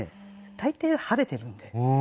大抵晴れてるんで。